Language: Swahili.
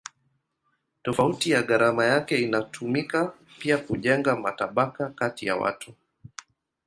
Tofauti ya gharama yake inatumika pia kujenga matabaka kati ya watu.